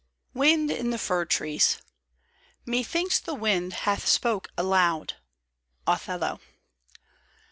WIND IN FIR TREES. " (Methinks the wind bath spoke aloud.'* OTHELLO.